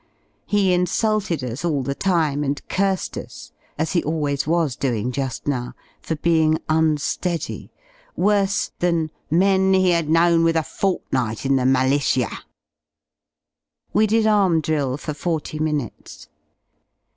He insulted us all the time and cursed us, as he always was doing ju^ now, for being unready, worse than "men he had known with a fortnight in the mallishyer." We did arm drill for forty minutes.